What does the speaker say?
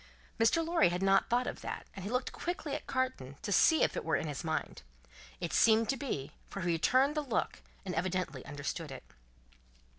Mr. Lorry had not thought of that, and he looked quickly at Carton to see if it were in his mind. It seemed to be; he returned the look, and evidently understood it.